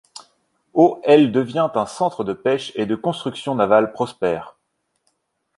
Au elle devient un centre de pêche et de construction navale prospère.